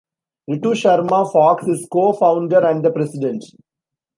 Ritu Sharma Fox is co-founder and the president.